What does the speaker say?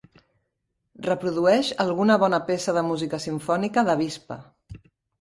Reprodueix alguna bona peça de música simfònica d'Avispa.